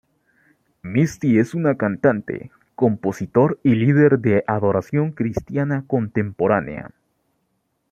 Misty es una cantante, compositor y líder de adoración cristiana contemporánea.